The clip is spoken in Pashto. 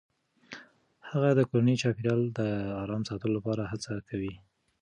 هغه د کورني چاپیریال د آرام ساتلو لپاره هڅه کوي.